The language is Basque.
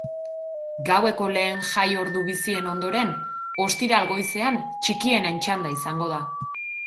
Gaueko lehen jai ordu bizien ondoren, ostiral goizean txikienen txanda izango da.